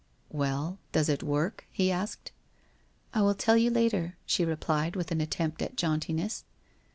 ' Well, does it work ?' he asked. 1 1 will tell you later/ she replied with an attempt at jauntiness.